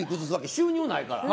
収入がないから。